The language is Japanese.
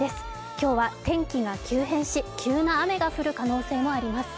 今日は天気が急変し急な雨が降る可能性もあります。